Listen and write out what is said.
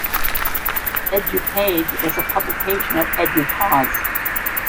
Edupage was a publication of Educause.